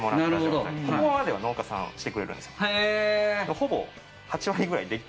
ここまでは農家さんしてくれるんですよ